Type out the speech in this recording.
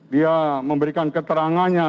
dia memberikan keterangannya